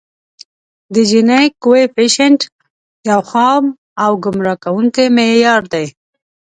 د جیني کویفیشینټ یو خام او ګمراه کوونکی معیار دی